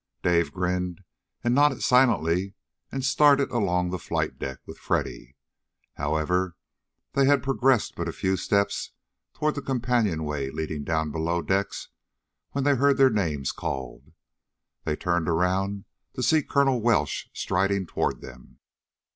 Dave grinned and nodded silently, and started along the flight deck with Freddy. However, they had progressed but a few steps toward the companionway leading down below decks when they heard their names called. They turned around to see Colonel Welsh striding toward them.